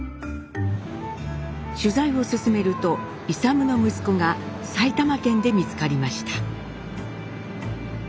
取材を進めると勇の息子が埼玉県で見つかりました。